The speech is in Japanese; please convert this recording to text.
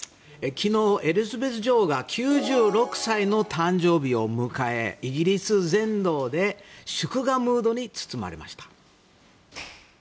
昨日、エリザベス女王が９６歳の誕生日を迎えイギリス全土で祝賀ムードに包まれました。